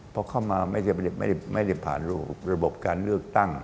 พอเข้ามาไม่ได้ผ่านระบบการเลือกตั้ง